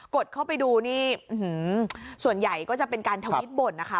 ดเข้าไปดูนี่ส่วนใหญ่ก็จะเป็นการทวิตบ่นนะคะ